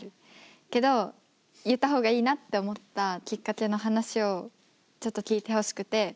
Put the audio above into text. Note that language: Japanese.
けど言った方がいいなって思ったきっかけの話をちょっと聞いてほしくて。